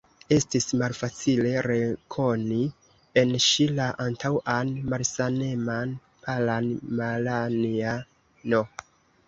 Estis malfacile rekoni en ŝi la antaŭan malsaneman, palan Malanja'n.